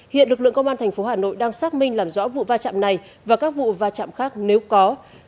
hiện lực lượng công an tp hà nội đang xác minh làm rõ vụ va chạm này và các vụ va chạm khác nếu có